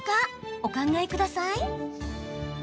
お考えください。